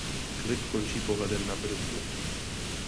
Klip končí pohledem na Britney.